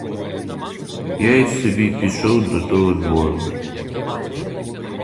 Я й собі пішов до того двору.